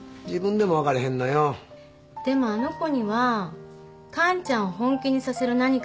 でもあの子には完ちゃんを本気にさせる何かがあるんだね。